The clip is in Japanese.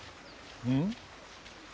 うん？